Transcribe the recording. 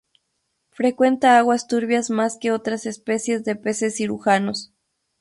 Frecuenta aguas turbias más que otras especies de peces cirujanos.